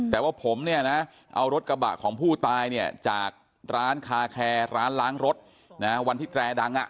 แต่ว่าผมเนี่ยนะเอารถกระบะของผู้ตายเนี่ยจากร้านคาแคร์ร้านล้างรถนะวันที่แตรดังอ่ะ